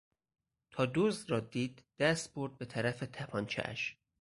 تا دزد را دید دست برد به طرف تپانچهاش.